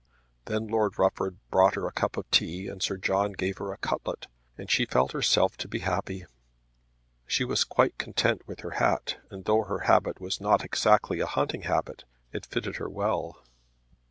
Then Lord Rufford brought her a cup of tea and Sir John gave her a cutlet, and she felt herself to be happy. She was quite content with her hat, and though her habit was not exactly a hunting habit, it fitted her well.